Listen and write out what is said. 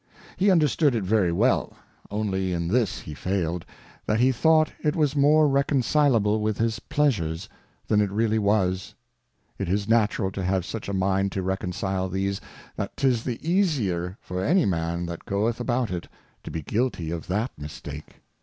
He 2o6 A Character of He understood it very well, only in this he failed, that he thought It was more reconcilable with his Pleasures, than it really was. It is natural to have such a Mind to reconcile these, that 'tis the easier for any Man that goeth about it, to be guilty of that Mistake.